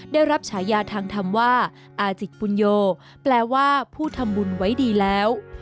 ได้รับฉายาทางธรรมว่าอาจิกปุญโยแปลว่าผู้ทำบุญไว้ดีแล้ว